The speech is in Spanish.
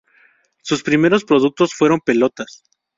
Sus primeros productos fueron pelotas.